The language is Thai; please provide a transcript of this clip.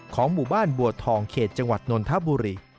หมู่บ้านบัวทองเขตจังหวัดนนทบุรี